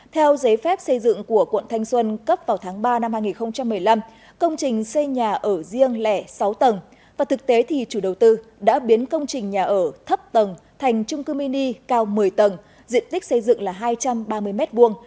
theo giấy phép xây dựng của quận thanh xuân cấp vào tháng ba năm hai nghìn một mươi năm công trình xây nhà ở riêng lẻ sáu tầng và thực tế thì chủ đầu tư đã biến công trình nhà ở thấp tầng thành trung cư mini cao một mươi tầng diện tích xây dựng là hai trăm ba mươi m hai